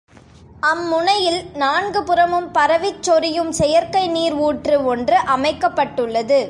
அம்முனையில் நான்கு புறமும் பரவிச் சொரியும் செயற்கை நீர் ஊற்று ஒன்று அமைக்கப்பட்டுள்ளது.